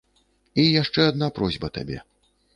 І яшчэ адна просьба табе.